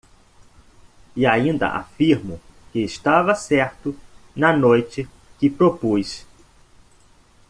E ainda afirmo que estava certo na noite que propus.